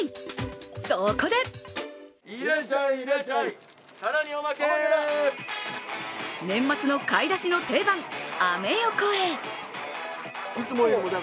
そこで年末の買い出しの定番、アメ横へ。